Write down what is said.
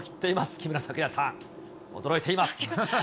木村拓哉さん、驚いています。